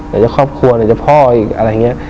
อยากจะครอบครัวอยากจะพ่ออีกอะไรอย่างเงี้ย